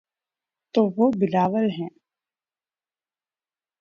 تو وہ بلاول ہیں۔